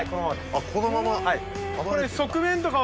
あっこのまま。